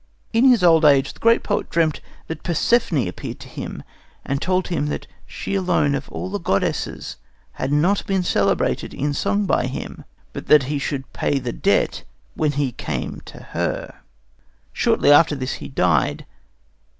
In his old age the great poet dreamt that Persephone appeared to him and told him that she alone of all the goddesses had not been celebrated in song by him, but that he should pay the debt when he came to her. Shortly after this he died.